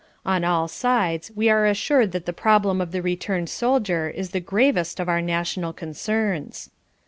On all sides we are assured that the problem of the returned soldier is the gravest of our national concerns.